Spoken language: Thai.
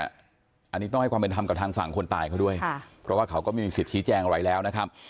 อันนี้ต้องให้ความเป็นธรรมกับทางฝั่งคนตายเขาด้วยเพราะว่าเขาก็ไม่มีสิทธิแจงอะไรแล้วนะครับ